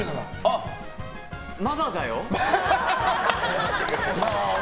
あっ、まだだよ？